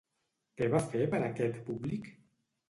Què va fer per a aquest públic?